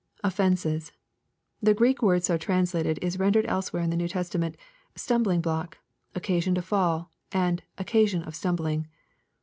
[Offences.] The Greek word so translated is rendered else where in the New Testament, " stumbling block," —" occasion to fall," — and " occasion of stumbling."